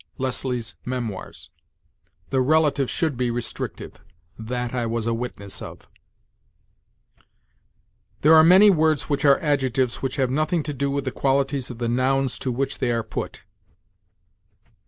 Leslie's 'Memoirs.' The relative should be restrictive: 'that I was a witness of.' "'There are many words which are adjectives which have nothing to do with the qualities of the nouns to which they are put.'